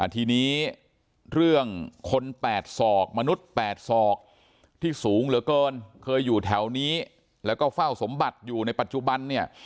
ทีนี้เรื่องคน๘ศอกมนุษย์๘ศอกที่สูงเหลือเกินเคยอยู่แถวนี้แล้วก็เฝ้าสมบัติอยู่ในปัจจุบันเนี่ย